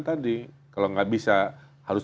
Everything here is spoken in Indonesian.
tadi kalau nggak bisa harus